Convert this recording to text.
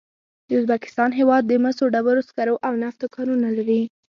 د ازبکستان هېواد د مسو، ډبرو سکرو او نفتو کانونه لري.